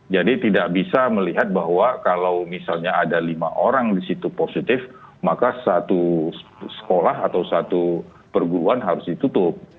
jadi tidak bisa melihat bahwa kalau misalnya ada lima orang di situ positif maka satu sekolah atau satu perguruan harus ditutup